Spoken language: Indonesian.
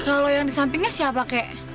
kalau yang di sampingnya siapa kayak